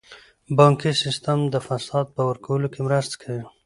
بانکي سیستم د فساد په ورکولو کې مرسته کوي.